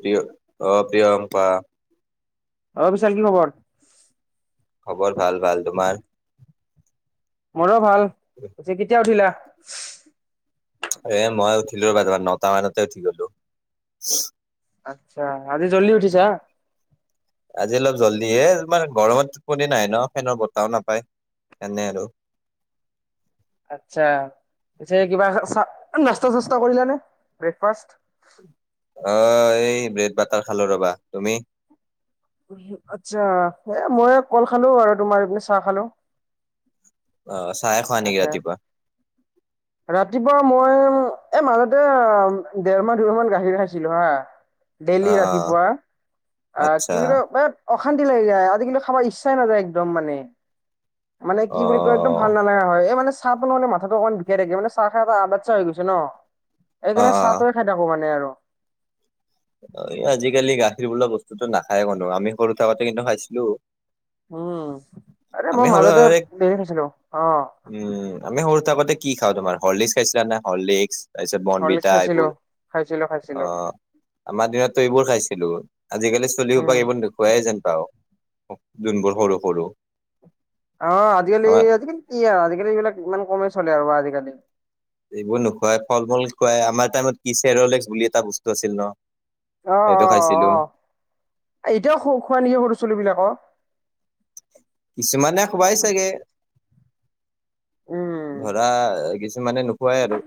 পিয় অ পিয়ম্পা। অ বিশাল কি খবৰ। খবৰ ভাল ভাল তোমাৰ। মোৰো ভাল গছি কেতিয়া উঠিলা। এ মই উঠিলো ৰ বাৰ নটা মানতে উঠি গলো আচ্ছা আজি জলদি উঠিছা আজি অলপ জলদিয়ে মানে গৰমত টোপনিয়ে নাহে ন ফেনৰ বতাহও নাপায় এনে আৰু। আচ্ছা। পিছে কিবা নাস্তা- চাস্তা কৰিলা নে ব্ৰেকফাষ্ট? অ এই ব্ৰেড বাটাৰ খালো ৰবা তুমি। উ আচ্ছা এ মই কল খালো আৰু তোমাৰ এইপিনে চাহ খালোঁ। অ', চাহে খোৱা নেকি তাকে ৰাতিপুৱা? ৰাতিপুৱা মই। এ মাজতে দেৰ মাহ দুইমাহ মান গাখীৰ খাইছিলোঁ হা। ডেইলি অ', অ', ৰাতিপুৱা আহ আচ্ছা কি বুলি কয়। অশান্তি লাগ যায় আজিকালি খাব ইচ্ছাই নাযায় একদম মানে মানে কি বুলি কয় একদম অ', ভাল না। এই মানে চাহ বান মাথাটো অকমান বিষাই থাকে মানে চাহ খাই এটা আদচ্ চাহ হৈ গৈছে ন। অ', সেইকাৰণে চাহ অ', তোৱে খাই থাকো মানে আৰু। গাখি বোলা বস্তুতটো নাখায় কনো আমি সৰু থাকোতে কিন্তু খাইছিলোঁ। উম আৰে মোৰ মাজতে থাকোতে ধেই খাইছিলো অ। উম, আমি সৰু থাকোতে কি খাৱ তোমাৰ হৰ্ললিক্ খাইছিলা নে হৰ্লিক্স। তাৰপিছত হৰলিক্স বনভিটা খাইছিলো এইবোৰ খাইছিলো অ খাইছিলো আমাৰ দিনততো এইবোৰ খাইছিলোঁ। আজিকালি চলিও উম হোপাক নোখুৱাই যেন পাও যোনবোৰ সৰু সৰু। অ আজিকালি আমাৰ আজিকালি কি আৰু আজিকালি এইবিলাক ইমান কমেই চলে আৰু আজিকালি। এইবোৰ নোখুৱাই ফল- মূল খুৱাই আমাৰ টাইমত কিচেৰ হৰলিক্স বুলি এটা বস্তু আছিল ন। অ সেইটো অ খাইছিলো অ এতিয়াও খোৱা নেকি সৰু ছোৱালী বিলাকক। কিছুমানে খুৱাই চাগে। উম ধৰা কিছুমানে নোখোৱাই আৰু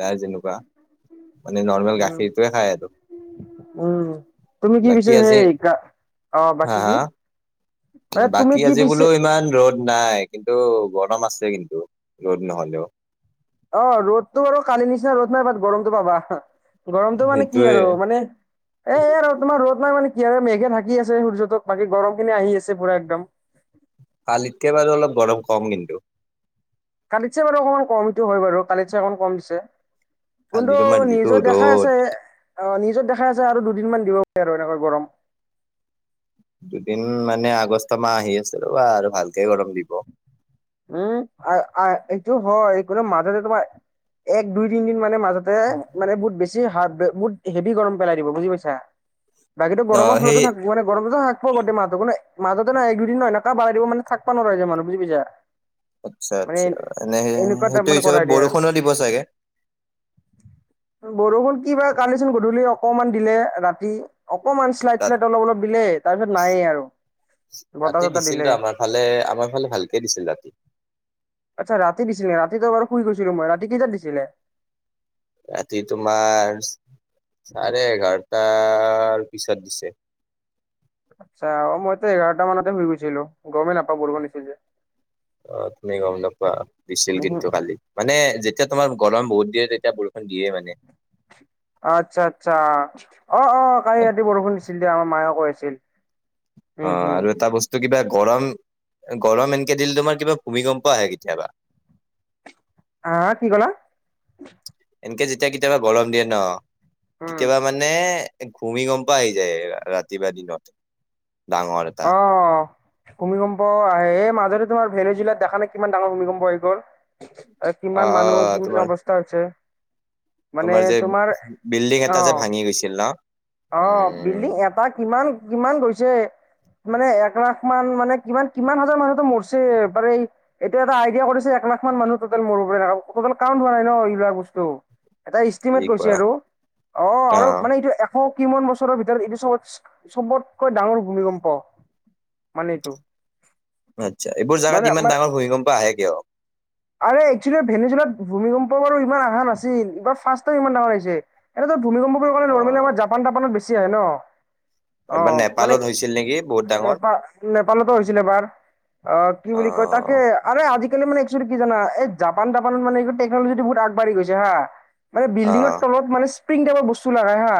যাৰ যেনেকুৱা। মানে নৰ্মেল গাখীৰ টোৱে খায় আৰু। উ তুমি কি বাকী পিছে আজি সেই গা অ হা বাকী কি। হা মানে তুমি বাকী কি আজি পিছে বোলো ইমান ৰ'দ। নাই কিন্তু গৰম আছে কিন্তু ৰ'দ নহলেও। অ ৰ'দতটো আৰু কালি নিচিনা ৰ'দ নাই বাট গৰমতটো পাবা। গৰমটো মানে কি সেইটোয়ে আৰু মানে এ আৰু তোমাৰ ৰ'দ নাই মানে। মেঘে থাকি আছে সূৰ্যটোত বাকী গৰম খিনি আহি আছে পুৰা একদম। কালিতকে বাৰু অলপ গৰম কম কিন্তু। কালিতচে বাৰু অকণমান কম এইটো হয় বাৰু কালিতচে অকণমান কম কালি কোনটো তোমাৰ যিটো নিউজত দেখাই ৰ'দ আছে, অ নিউজত দেখাই আছে আৰু দুদিন মান দিব পাৰে আৰু এনেকোৱা গৰম। দুদিন মানে আগষ্ট মাহ আহি আছে ৰ'বা আৰু ভালকে গৰম দিব। উম, আই -আই এইটো হয় কোনো মাজতে তোমাৰ এক, দুই, তিনদিন মানে মাজ তে মানে বহুত বেছি হাত হেভি গৰম পেলাই দিব বুজি পাইছা। বাকীতো গৰমৰ অ' ফলতে সেই থাক মানে গৰমতো থাকব গোটেই মাহতো। মাজতে ন এক দুদিন মান এনেকা বাঢ়াই দিব মানে থকব নোৱাৰা নোৱাৰা হৈ গৈছে মানুহ বুজি পাইছা। আচ্ছা মানে আচ্ছা এনেে এনেকুৱা টাইপ সেইটো মানে কৰাই হিচাপত দিয়ে আৰু বৰষুণো দিব চাগে। বৰষুণ কি বা কালিচোন গধূলি অকমান দিলে ৰাতি। অকমান শ্লাইড তাত। শ্লাইড অলপ অলপ দিলে তাৰপিছত নাই য়ে আৰু। বতাহ ৰাতি চতাহ দিছিল দিলে তো আমাৰ ফালে আমাৰ ফালে ভালকে দিছিল ৰাতি। আচ্ছা ৰাতি দিছিলে ৰাতিটো বাৰু শুই গৈছিলো মই ৰাতি কেইটাত দিছিলে। ৰাতি তোমাৰ চাৰে এঘাৰ। টাৰ পিছত দিছে। আচ্ছা অ মইতো এঘাৰটা মানতে শুই গৈছিলোঁ গমেই নাপাও বৰষুণ দিছিল যে। অ তুমি গম নাপোৱা দিছিল উহু কিন্তু কালি মানে যে। এতিয়া তোমাৰ গৰম বহুত দিয়ে তেতিয়া বৰষুণ দিয়ে মানে। আচ্ছা, আচ্ছা অ, অ কালি ৰাতি বৰষুণ দিছিল দিয় আমাৰ মায়ে কৈ আছিল। অ, উম হুম আৰু এটা বস্তু কিবা। গৰম গৰম এনকে দিলে তোমাৰ কিবা ভূমিকম্প আহে কেতিয়াবা। আহ কি ক'লা? এনেকে যেতিয়া কেতিয়াবা গৰম দিয়ে ন উম কেতিয়াবা মানে। ভূমিকম্প আহি যায় ৰাতি বা দিনত। ডাঙৰ এটা অ। ভূমিকম্প আহ এই মাজতে তোমাৰ ভেৰি জিলাত দেখা নাই কিমান ডাঙৰ ভূমিকম্প হৈ গ'ল। এ কিমান মানুহৰ আহ কিমান তোমাৰ অৱস্থা হৈছে? তোমাৰ যে বিল্ডিং এটা অ যে ভাঙি গৈছিল ন? অ, উম বিল্ডিং এটা কিমান কিমান গৈছে মানে এক লাখ মান মানে কিমান কিমান হাজাৰ মানুহো মৰিছে তাৰে এই এতিয়া এটা আইডিয়া কৰিছে এক লাখ মান মানুহ টোটেল মৰি পেলাই, টোটেল কাউন্ট হোৱা নাই ন এইবিলাক বস্তু। এটা ইষ্টিমেট কি কৰিছে কোৱা আৰু অ, আৰু মানে এইটো এশ কিমান বছৰৰ ভিতৰত এইটো চবত চবতকৈ ডাঙৰ ভূমিকম্প মানে এইটো? আচ্ছা, এইবোৰ মানে জাগাত ইমান মানে ডাঙৰ ভূমিকম্প আহে কিয়? আৰে একচুয়েলি ভেনচুলাত ভূমিকম্প বাৰু ইমান অহা নাছিল। এইবাৰ ফাৰ্ষ্ট টাইম ইমান ডাঙৰ আহিছে। এনেত ভূমিকম্প বুলি কলে নৰ্মেলি আমাৰ জাপান- তাপানত বেছি আহে ন? এবাৰ নেপালত হৈছিল নেকি? বহুত ডাঙৰ নেপাল নেপালতো হৈছিলে এবাৰ, অ কি বুলি কয় তাকে আৰে আজি কেলে মানে একচুৱেলি কি জানা এই জাপান- তাপানে মানে টেকনলজিটো বহুত আগবাঢ়ি গৈছে হা। মানে অ বিল্ডিঙৰ তলত মানে স্প্ৰিং টাইপৰ বস্তু লগাই হা?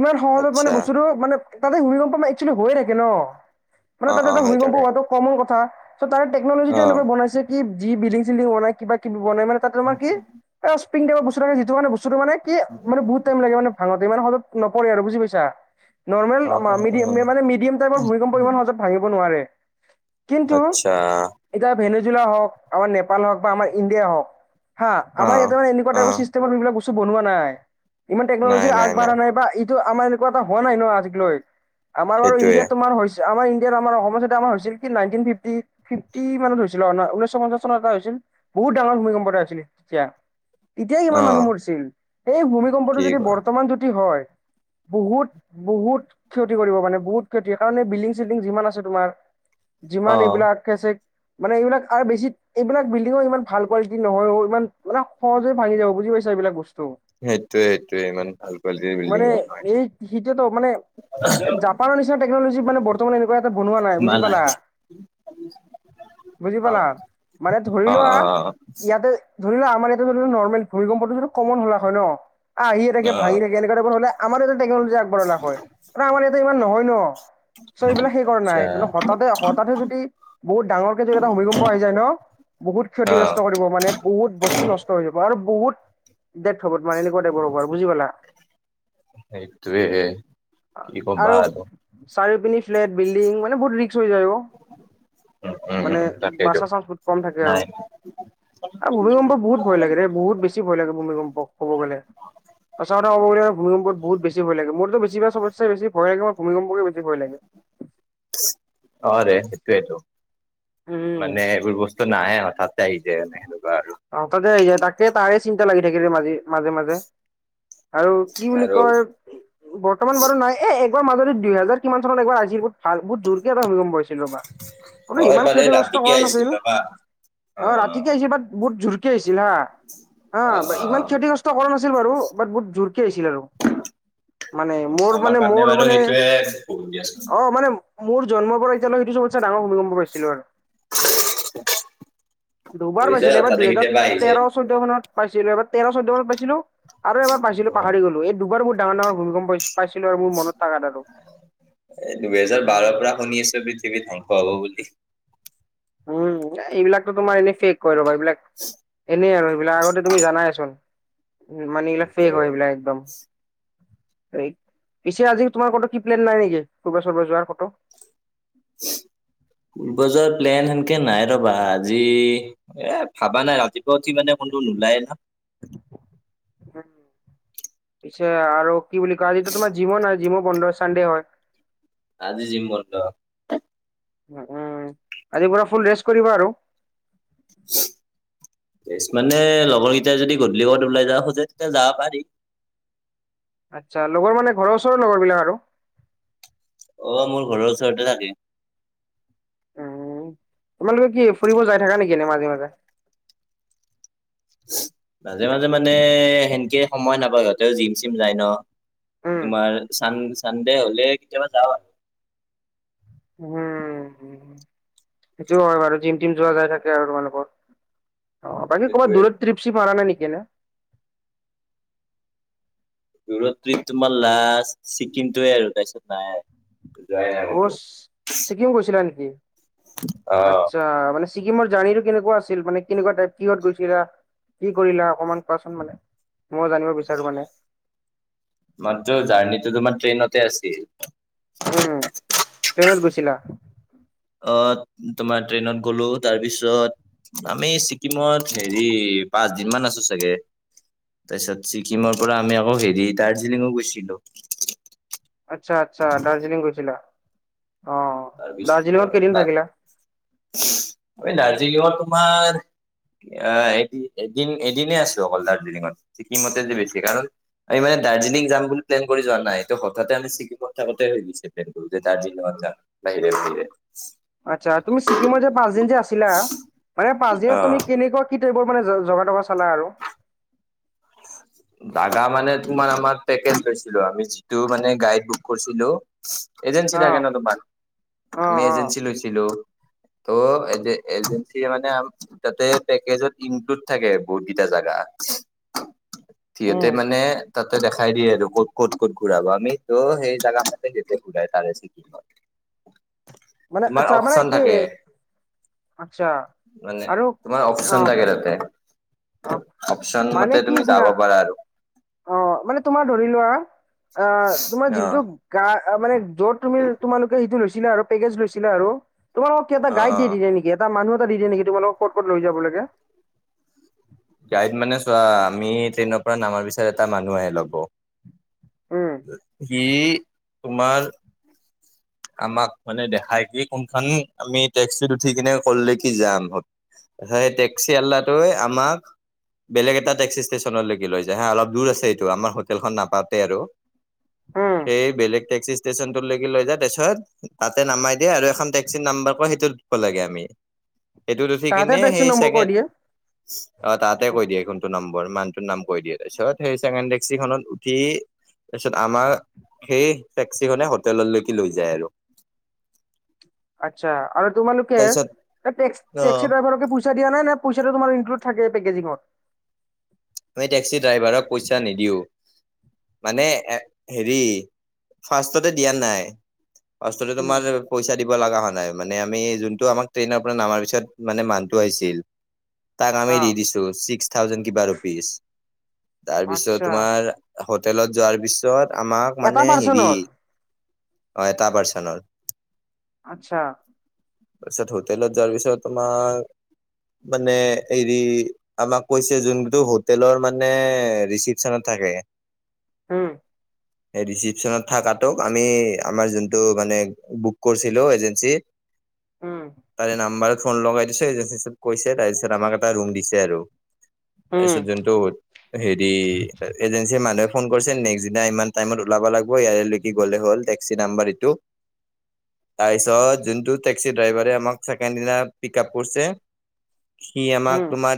ইমান সহজত মানে আচ্ছা বস্তুটো মানে তাতে ভূমিকম্প মা একচুৱেলি হৈ থাকে ন? মানে অ তাতে অ এটা হয় ভূমিকম্প তাকে হোৱাটো কমন কথা। তাৰে অ টেকনলজিটো এনেকোৱা বনাইছে কি যি বিলডিং, চিল্ডিং বনাই কিবা -কিবি বনাই মানে তাত তোমাৰ কি পিং টাইপৰ বস্তু থাকে যিটো মানে বস্তুটো মানে কি মানে বহুত টাইম লাগে মানে ভাঙতে ইমান সদত নপৰে আৰু বুজি পাইছা? নৰ্মেল অ মা অ মিডিয়াম নে অ মানে মিডিয়াম টাইপৰ ভূমিকম্প ইমান সহজত ভাঙিব নোৱাৰে। কিন্তু আচ্ছা এতিয়া ভেনেজুলা হওক, আমাৰ নেপাল হওক বা আমাৰ ইণ্ডিয়াই হওক হা, অ আমাৰ ইয়াতে মান এনেকুৱা অ টাইপৰ চিষ্টেম সেইবিলাক বস্তু বনোৱা নাই, ইমান টেকনলজি আগবঢ়া নাই বা ই আমাৰ এনেকুৱা এটা হোৱা নাই ন আজিকলৈ? আমাৰ বাৰু সেইটোৱে ইণ্ডিয়াত তোমাৰ হৈছ আমাৰ ইণ্ডিয়াত আমাৰ অসমতে আমাৰ হৈছিল কি নাইণ্টিন ফিফটি -ফিফটি মানত হৈছিল ঊনৈশ পঞ্চাছ এ হৈছিল বহুত ডাঙৰ ভূমিকম্প এ হৈছিল তেতিয়া তেতিয়াই অ কিমান মানুহ মৰিছিল। এই ভূমিকম্পটো কি যদি কোৱা বৰ্তমান যদি হয়। বহুত বহুত ক্ষতি কৰিব মানে বহুত ক্ষতি কাৰণ এই বিল্ডিং চিল্ডিং যিমান আছে তোমাৰ যিমান অ এইবিলাক আছে মানে এইবিলাক আৰু বেছি। এইবিলাক বিল্ডিঙৰ ইমান ভাল কোৱালিটি নহয় অও ইমান সহজে ভাঙি যাব বুজি পাইছ এইবিলাক বস্তু সেইটোয়ে সেইটোয়ে ইমান ভাল কোৱালিটিৰ বিল্ডিং মানে নহয় এই সেইটো তো মানে এই জাপানৰ নিচিনা টেকনলজি মানে বৰ্তমান এনেকুৱা এটা বনোৱা নাই বুজি পালা? বুজি পালা? মানে ধৰি অ লোৱা অ ইয়াতে ধৰি লোৱা আমাৰ ইয়াত ধৰি ল নৰ্মেল ভৰিকম্পটোদিটো কমন হলা হয় ন? আহিয়ে থাকে অ ভাঙিয়ে থাকে এনেকুৱা টাইপৰ হলে আমাৰ ইয়াতে টেকনলজি আগবঢ়ায় না হয়, আমাৰ ইয়াতে ইমান নহয় ন? চ' এইবিলাক সেই কৰা আচ্ছা নাই, কন্তো হঠাতে হঠাতে যদি বহুত ডাঙৰকে যদি এটা ভূমিকম্প আহি যায় ন বহুত অ ক্ষতিগ্ৰস্ত কৰিব মানে বহুত বস্তু নষ্ট হৈ যাব আৰু বহুত দে থবত মানে এনেকুৱা টাইপৰ হব আৰু বুজি পালা? সেইটোৱে। আ আৰু চাৰি পিনি ফ্লেট, বিল্ডিং মানে বহুত ৰিক্স হৈ যায় অ। উম উম মানে উম তাকেইতো বাচা চাঞ্চ বহুত কম থাকে নাই আৰু। আ ভূমিকম্প বহুত ভয় লাগে বহুত বেছি ভয় লাগে ভূমিকম্প কব গলে। সচা কথা কব গলে ভমিকম্প বহুত বেছি ভয় লাগে, মোৰতো বেছি ভাগ চবতচে বেছি ভয় লাগে ভূমিকম্পকে বেছি ভয় লাগে। অ ৰে সেইটোৱেইটো। উম। মানে এইবোৰ বস্তু নাহে হঠাতে আহি যায় মানে সেনেকুৱা। আৰু হঠাতে আহি যায় তাকে তাৰে চিন্তা লাগি থাকে মাজে মাজে। আৰু কি বুলি আৰু কয়, বৰ্তমান বাৰু নাই এ এ বা মাজতে দুহেজাৰ কিমান চনত একবাৰ আহিছিল বহুত ভাল বহুত জোৰকে এটা ভূমিকম্প হৈছে। জি লবা, অ ইমান এবাৰ এই ক্ষতিগ্ৰস্ত ৰাতিকে কৰা আহিছিল নাছিল অ, ৰবা অ ৰাতিকে আহিছিল বাট বত জুৰকে আইছ ছিল হা! হা অ অ অ ইমান ক্ষতিগ্ৰস্ত কৰা নাছিল বাৰু, বাট বহুত জোৰকে আহিছিল আৰু। মানে মোৰ আমাৰ মানে কাৰণে মোৰ বাৰু মানে সেইটোয়ে বহুত দিয়াচোন অ মানে মোৰ জন্ম পৰা এতিয়া ডাঙৰ ভূমিকম্প পাইছিলো আৰু দুবাৰ হৈ পাই। যায় আছিলে এবাৰ হঠাতে দুহেজাৰ কেতিয়াবা আহি যায় তেৰ চৈধ্যমানত পাইছিলো এবাৰ তেৰ চৈধ্য মানত পাইছিলো আৰু এবাৰ পাইছিলো অ পাহৰি গলো এই দুবাৰ বহুত ডাঙৰ ডাঙৰৰ ভূমিকম্প পাইছিলোঁ। পাইছিলো আৰু মোৰ মনত থাকা আৰু এ দুহেজাৰ বাৰ উম পৰা শুনি আছো পৃথিৱী ধ্বংস হব বুলি। উম এইবিলাকতটো তোমাৰ এনেই ফেক কৰি ৰ'বা এইবিলাক এনেই আৰু সেইবিলাক আগতে তুমি জানাইচোন মানে এইবিলাক সেইটোৱে ফেক হয় এইবিলাক একদম পিছে আজি তোমাৰ কত প্ৰিপ্লেন নাই নেকি ফূৰ্বা চৰ্বা যোৱাৰ কতো [unintelligible] ফুৰবা যোৱা প্লেন সেনেকে নাই ৰবা আজি এ ভাবা নাই আজি। উঠি মানে কতো নোলায় না উম পিছে আৰু কি বুলি কয় আজি তোমাৰ জিমো নাই জিমো বন্ধ চানডে হয়। আজি জিম বন্ধ। উম আজি পুৰা ফুল ৰেষ্ট কৰিবা আৰু। [unintelligible] মানে লগৰ কেইটাই যদি গধূলি কত ওলাই যাব খোজে তেতিয়া যাব পাৰি। আচ্ছা লগৰ মানে ঘৰৰ ওচৰৰ লগৰ বিলাক আৰু। অ মোৰ ঘৰৰ ওচৰতে থাকে। উম তোমালোকে কি ফুৰিব যাই থাকা নেকি এনে মাজে মাজে মাজে মাজে মানে সেনকে সময় নাপায় সিহঁতেও জিম চিম যায় ন। উম, তোমাৰ চান চানডে হলে কেতিয়াবা যাও আৰু উম উম সেইটোও হয় বাৰু জিম টিম যোৱা যায় থাকে আৰু তোমালোকৰ অ বাকী ক'ৰবাত সেইটোৱে দূৰত ত্ৰিপ চিপ মাৰা নাই নেকি এনে? দূৰত টিপ তোমাৰ লাষ্ট ছিকিমটোৱে আৰু তাৰপিছত নাই। যোৱাই নাই অ ক'তো ছিকিম গৈছিলা নেকি অ আচ্ছা মানে- ছিকিমৰ জাৰ্ণিটো কেনেকোৱা আছিল মানে কেনেকুৱা টাইপ কিহত গৈছিলা? কি কৰিলা অকমান কোৱাচোন মানে ময় জানিব বিচাৰো মানে মাত্ৰ জাৰ্ণিটো তোমাৰ ট্ৰেইনতে আছিল। উম ট্ৰেইনতইনত গৈছিলা। অ তোমাৰ ট্ৰেইনত গ'লো তাৰ পিছত আমি ছিকিমত হেৰি পাঁচ দিন মান আছো চাগে। তাৰপিছত ছিকিমৰ পৰা আমি আকৌ হেৰি দাৰ্জিলিঙো গৈছিলো। আচ্ছা আচ্ছা, দাৰ্জিলিং গৈছিলা। অ', তাৰপিছ দাৰ্জিলিঙত কেইদিন তাত থাকিলা? দাৰ্জিলিংত তোমাৰ আহ এদিন এদিনে আছো অকল দাৰ্জিলিঙত ছিকিমতে যে বেছি কাৰণ আমি মানে দাৰ্জিলিং যাম বুলি প্লেন কৰি যোৱা নাই এইটো হঠাতে আমি ছিকিমত থাকোতে হৈ গৈছে প্লেনো যে দাৰ্জিলিঙত যাম। বাহিৰে বাহিৰে আচ্ছা তুমি ছিকিমত যে পাঁচদিন যে আছিলা মানে পাঁচ দিনত তুমি অ', কেনেকুৱা কি। এইবোৰ মানে জগা টগা চালা আৰু দাগা মানে তোমাৰ আমাৰ পেকেজ লৈছিলো আমি যিটো মানে গাইড বুক কৰিছিলো। এজেঞ্চী অ থাকে ন তোমাৰ অ আমি অ এজেন্সি লৈছিলোঁ। ত' এজেঞ্চি মানে তাতে পেকেজত ইনক্লুড থাকে বহুত কেইটা জা। [unintelligible] [unintelligible] সিহঁতে উম মানে তাতে দেখাই দিয়ে আৰু ক'ত-ক'ত-ক'ত ঘূৰাব আমিতো সেই জেগা মাতে যে ঘূৰাই তাৰে ছিকিমত [inaudible] মানে তোমাৰ আচ্ছা মানে অপচন কি থাকে। আচ্ছা মানে আৰু তোমাৰ অ অপচন থাকে তাতে। অ অপচন মানে মতে কি তুমি শুনা যাব পাৰা আৰু। অ মানে তোমাৰ ধৰি লোৱা অ তোমাৰ অ যিটো গা - অ মানে য'ত তুমি তোমালোকে সেইটো লৈছিলা আৰু পেকেজ লৈছিলা আৰু তোমালোকক কি এটা অ গাইড অ দি দিয়ে নেকি এটা মানুহ এটা দি দিয়ে নেকি তোমালোকক ক'ত-ক'ত লৈ যাব লাগে। গাইড মানে চোৱা আমি ট্ৰেইনৰ পৰা নামাৰ পিছত এটা মানুহ আহে ল'ব। উম সি তোমাৰ। [inaudible] আমাক মানে দেখাই কি কোনখন আমি টেক্সিত উঠি কিনে কৰ লৈকে যাম। সেই টেক্সি আলাটোৱে আমাক। বেলেগ এটা টেক্সি ষ্টেচনলৈকে লৈ যায় হা অলপ দূৰ আছে এইটো আমাৰ হোটেলখন নাপাওঁতে আৰু। উম সেই বেলেগ টেক্সি ষ্টেশচনত লৈকে লৈ যায় তাৰপিছত তাতে নামাই দিয়ে আৰু এখন টেক্সি নাম্বাৰ কয় সেইটো উঠিব লাগে আমি। সেইটোত উঠি তাহাঁতে কিনে টেক্সি সেই নম্বৰ কৈ চেছেণ্ড দিয়ে অ তাতে কৈ দিয়ে কোন নম্বৰ মানুহটোৰ নাম কৈ দিয়ে তাৰপিছত সেই ছেকেণ্ড টেক্সিখনত উঠি তাৰপিছত আমাৰ সেই টেক্সিখনে হোটেললৈকে লৈ যায় আৰু। আচ্ছা আৰু তোমালোকে তাৰপিছত তাত অ টেক্সি ড্ৰাইভাৰ পু পইচা দিয়া নাই নে পইচাটো তোমাৰ ইনকুড থাকে পেকেজিঙত। আমি টেক্সি ড্ৰাইভাৰক পইচা নিদিওঁ। মানে এ হেৰি ফাৰ্ষ্টতে দিয়া নাই। ফাৰ্ষ্টতে উম, তোমাৰ পইচা দিব লগা হোৱা নাই। নাই মানে আমি যোনটো আমাক ট্ৰেইনৰ পৰা নামাৰ পিছত মানে মানুহটো আহিছিল। তাক আমি দি অ' দিছোঁ ছিক্স থাউজেণ্ড কিবা ৰ তাৰপিছত আচ্ছা তোমাৰ হোটেলত যোৱাৰ পিছত আমাক এটা মানে হেৰি। পাৰ্চনৰ হয় এটা পাৰ্চনৰ। আচ্ছা পিছত হোটেলত যোৱা পিছত তোমাৰ, মানে হেৰি আমাক কৈছে যোন [unintelligible] যোনটো হোটেলৰ মানে ৰিচিপচনত থাকে হুম। এই ৰিচিপচনত থাকা তোক আমি আমাৰ যোনটো মানে বুক কৰিছিলোঁ এজেঞ্চি। উম তাৰে নাম্বাৰ ফোন লগাই দিছে এজেনঞ্চীত চিপ কৰিছে তাৰপিছত আমাক এটা ৰুম দিছে আৰু। তাৰপিছত উম যোনটো হেৰি এজেঞ্চিৰ মানুহে ফোন কৰিছে নেক্স দিনা ইমান। টাইমত ওলাব লাগিব ইয়াৰলৈকে গ'লে হ'ল টেক্সি নাম্বাৰ এইটো। তাৰপিছত যোনটো টেক্সি ড্ৰাইভাৰে আমাক ছেকেণ্ড দিনা পিক আপ কৰিছে। সি আমাক উম তোমাৰ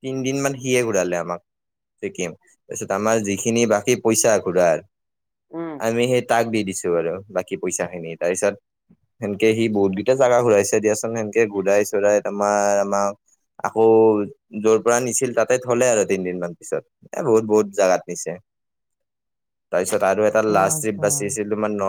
তিনিদিনমান। সিয়ে ঘূৰালে আমাক ছিকিম তাৰপিছত আমাৰ যিখিনি বাকী পইচা ঘূৰাৰ উম। - আমি সেই তাক দি দিছোঁ আৰু বাকী পইচাখিনি তাৰপিছত। সেনকে সি বহুতকেইটা জাগা ঘূৰাইছে দিয়াচোন সেনকে ঘূৰাই-চুৰাই তোমাৰ আমাক আকৌ য'ৰ পৰা নিছিল তাত। তাতে থ'লে আৰু তিনিদিনমান পিছত এ বহুত বহুত জাগাত নিছে। তাৰপিছত আৰু এটা আচ্ছা লাষ্টট্ৰিপ বাচি আচ্ছা। আছিলোঁ মান ন।